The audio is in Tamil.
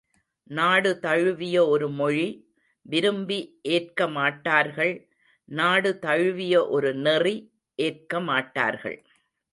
நாடு தழுவிய ஒரு மொழி விரும்பி ஏற்கமாட்டார்கள் நாடு தழுவிய ஒரு நெறி ஏற்கமாட்டார்கள்.